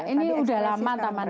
ini udah lama taman